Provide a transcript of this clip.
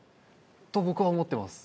と僕は思ってます。